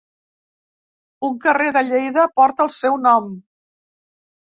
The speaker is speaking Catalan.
Un carrer de Lleida porta el seu nom.